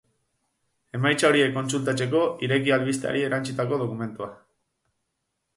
Emaitza horiek kontsultatzeko, ireki albisteari erantsitako dokumentua.